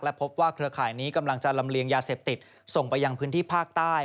พบว่าเครือข่ายนี้กำลังจะลำเลียงยาเสพติดส่งไปยังพื้นที่ภาคใต้